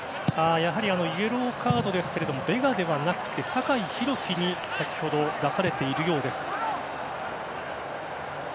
イエローカードですがベガではなくて酒井宏樹に先ほど出されているようです。